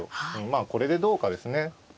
まあこれでどうかですね。